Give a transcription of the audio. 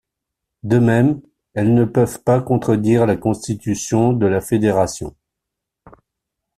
De même, elles ne peuvent pas contredire la Constitution de la Fédération.